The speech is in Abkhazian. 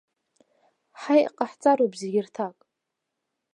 Ҳа иҟаҳҵароуп зегьы рҭак.